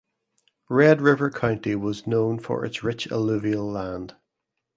Red River County was known for its rich alluvial land.